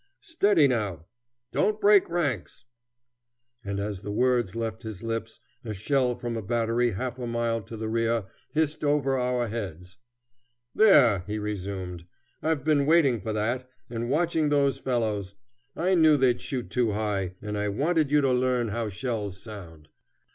Steady now! don't break ranks!" And as the words left his lips a shell from a battery half a mile to the rear hissed over our heads. "There," he resumed. "I've been waiting for that, and watching those fellows. I knew they'd shoot too high, and I wanted you to learn how shells sound."